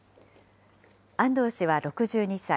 安藤氏は６２歳。